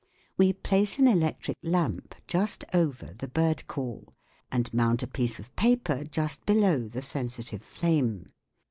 We place an electric lamp just over the bird call, and mount a piece of paper just below the sensitive flame.